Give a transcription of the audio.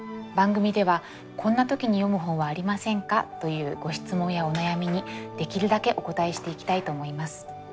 番組では「こんな時に読む本はありませんか？」というご質問やお悩みにできるだけお答えしていきたいと思います。